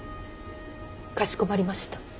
かしこまりました。